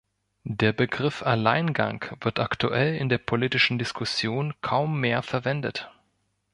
Der Begriff «Alleingang» wird aktuell in der politischen Diskussion kaum mehr verwendet.